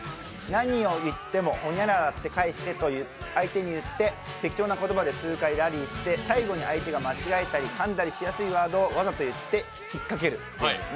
何を言ってもほにゃららって返してって相手に言って、適当な言葉で数回ラリーして、最後に相手が間違えたりかんだりしやすいワードをわざと言って引っかけるというゲームです。